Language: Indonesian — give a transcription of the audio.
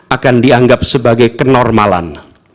akan dianggap sebagai kenormalan